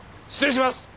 失礼します！